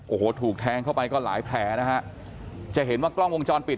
โอ้โหถูกแทงเข้าไปก็หลายแผลนะฮะจะเห็นว่ากล้องวงจรปิด